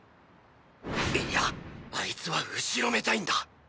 いやあいつは後ろめたいんだ！！